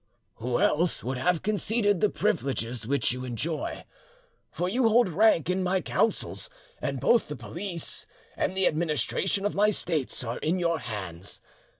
Who else would have conceded the privileges which you enjoy? for you hold rank in my councils, and both the police and the administration of my States are in your hands.